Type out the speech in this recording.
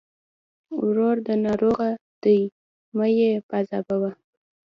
ورور دې ناروغه دی! مه يې پاذابوه.